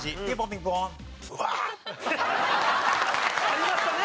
ありましたね。